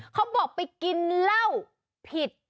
เขาบอกไปกินเหล้าผิด